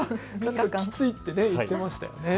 きついって言ってましたね。